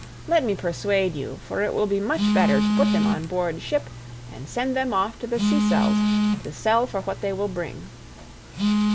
Let me persuade you, for it will be much better to put them on board ship and send them off to the Sicels to sell for what they will bring."